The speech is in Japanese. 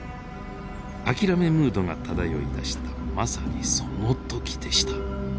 諦めムードが漂いだしたまさにその時でした。